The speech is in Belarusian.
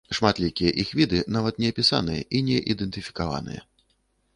Шматлікія іх віды нават не апісаныя і не ідэнтыфікаваныя.